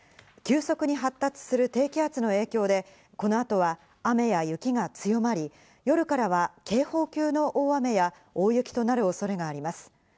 急速に発達する低気圧の影響でこの後は雨や雪が強まり、夜からは警報級の大雨や大雪となる恐れがあります。